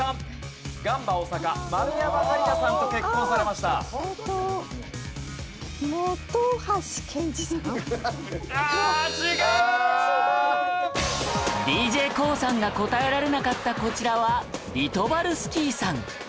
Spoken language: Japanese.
ＤＪＫＯＯ さんが答えられなかったこちらはリトバルスキーさん